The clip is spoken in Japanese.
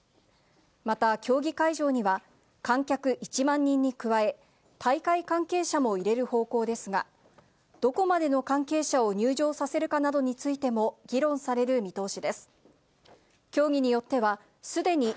また競技会場には、観客１万人に加え、大会関係者も入れる方向ですが、どこまでの関係者を入場させるかなどについても議論される見通し